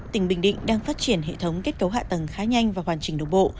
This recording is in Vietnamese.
tỉnh bình định đang phát triển hệ thống kết cấu hạ tầng khá nhanh và hoàn chỉnh đồng bộ